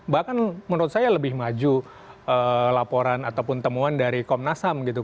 bahkan menurut saya lebih maju laporan ataupun temuan dari komnas ham gitu